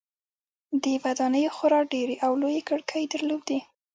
دې ودانیو خورا ډیرې او لویې کړکۍ درلودې.